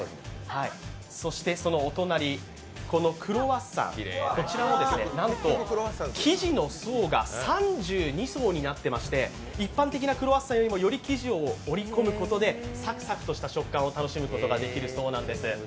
そしてそのお隣、このクロワッサン、こちらはなんと生地の層が３２層になってまして一般的なクロワッサンよりもより生地を折り込むことでサクサクとした食感を楽しむことができるそうなんです。